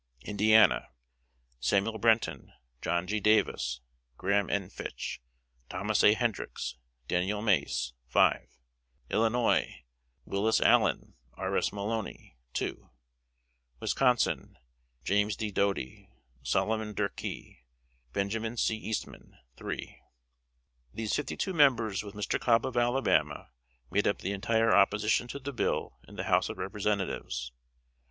Indiana: Samuel Brenton, John G. Davis, Graham N. Fitch, Thomas A. Hendricks, Daniel Mace 5. Illinois: Wyllis Allen, R. S. Molony 2. Wisconsin: James D. Doty, Solomon Durkee, Ben. C. Eastman 3. These fifty two members, with Mr. Cobb, of Alabama, made up the entire opposition to the bill in the House of Representatives.